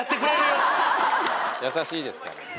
優しいですから。